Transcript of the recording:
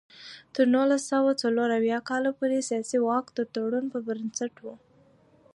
تر نولس سوه څلور اویا کال پورې سیاسي واک د تړون پر بنسټ و.